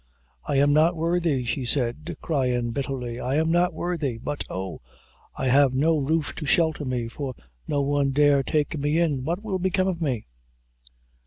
'I am not worthy,' she said, cryin' bitterly; 'I am not worthy, but oh, I have no roof to shelter me, for no one dare take me in. What will become of me?'"